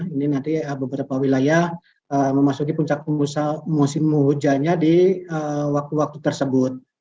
ini nanti beberapa wilayah memasuki puncak musim hujannya di waktu waktu tersebut